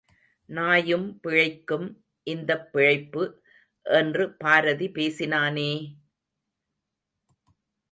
நாயும் பிழைக்கும் இந்தப் பிழைப்பு, என்று பாரதி பேசினானே!